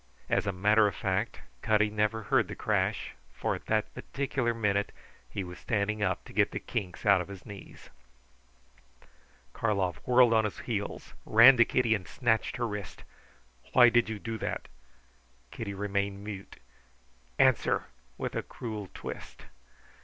As a matter of fact, Cutty never heard the crash, for at that particular minute he was standing up to get the kinks out of his knees. Karlov whirled on his heels, ran to Kitty, and snatched her wrist. "Why did you do that?" Kitty remained mute. "Answer!" with a cruel twist.